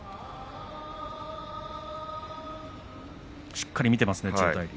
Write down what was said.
しっかり見ていますね千代大龍。